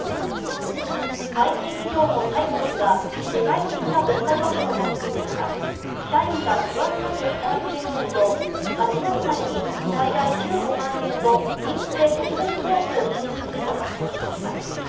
ＩＴ企業のサイボウズは世界的な物価上昇が続く中社員が不安なく働けるようにと８月までに最大１５万円のインフレ特別手当を支給すると発表しました。